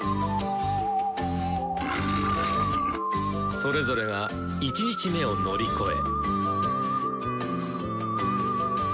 それぞれが１日目を乗り越え。